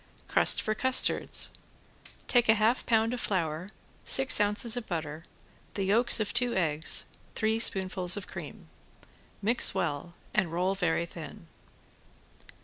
~CRUST FOR CUSTARDS~ Take a half pound of flour, six ounces of butter, the yolks of two eggs, three spoonfuls of cream. Mix well and roll very thin.